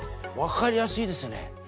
分かりやすいですよね。